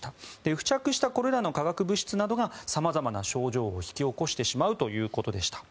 付着したこれらの化学物質などが様々な症状を引き起こしてしまうということでした。